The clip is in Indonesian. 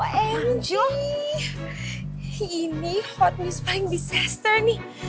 oh enjoy ini hot news paling disaster nih